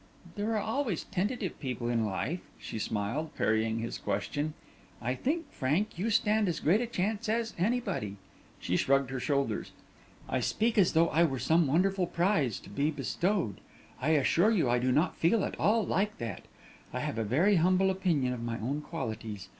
"There are always tentative people in life," she smiled, parrying his question. "I think, Frank, you stand as great a chance as anybody." She shrugged her shoulders. "I speak as though I were some wonderful prize to be bestowed; I assure you I do not feel at all like that. I have a very humble opinion of my own qualities.